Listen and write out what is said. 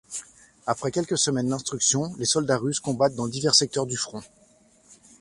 Après quelques semaines d'instructions, les soldats russes combattent dans divers secteurs du front.